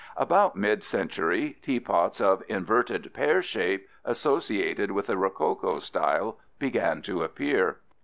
About mid century, teapots of inverted pear shape, associated with the rococo style, began to appear.